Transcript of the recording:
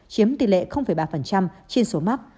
chiếm tỷ lệ ba trên số mắc